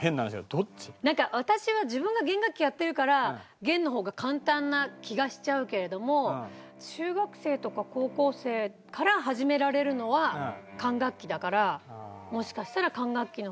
なんか私は自分が弦楽器やってるから弦の方が簡単な気がしちゃうけれども中学生とか高校生から始められるのは管楽器だから。